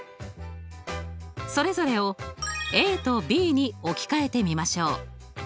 それぞれをＡとＢに置き換えてみましょう。